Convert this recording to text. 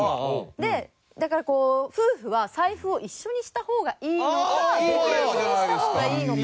でだからこう夫婦は財布を一緒にした方がいいのか別々にした方がいいのか。